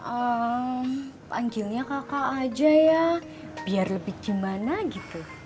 ehm manggilnya kakak aja ya biar lebih gimana gitu